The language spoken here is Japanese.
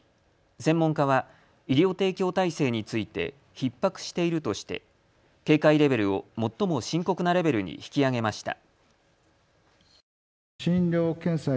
専門家は医療提供体制についてひっ迫しているとして警戒レベルを最も深刻なレベルに引き上げました。